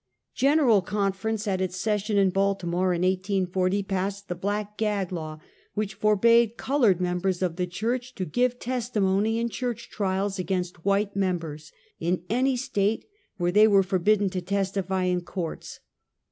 General Conference at its session in Baltimore, in 1840, passed the "Black Gag" law, which forbade colored members of the church to give testimony in church trials against white members, in any state where they were forbidden to testify in courts.